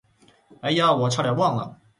哎呀，我差点忘了。